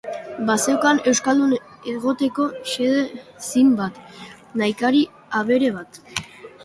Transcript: Bazeukan euskaldun egoteko xede zin bat, nahikari abere bat.